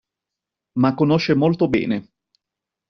Ma conosce molto bene.